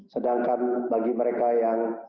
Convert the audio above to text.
sedangkan bagi mereka yang